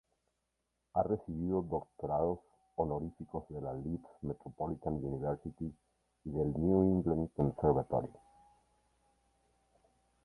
Ha recibido doctorados honoríficos de la Leeds Metropolitan University y del New England Conservatory.